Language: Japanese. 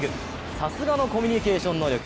さすがのコミュニケーション能力。